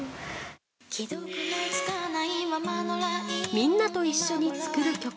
みんなと一緒に作る曲。